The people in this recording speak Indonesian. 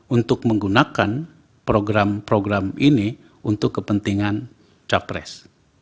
untuk menggunakan program program ini untuk kepentingan capres